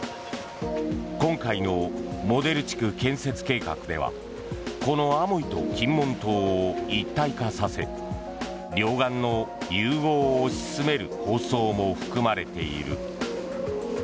今回のモデル地区建設計画ではこのアモイと金門島を一体化させ両岸の融合を推し進める構想も含まれている。